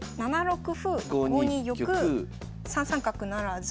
７六歩５二玉３三角不成。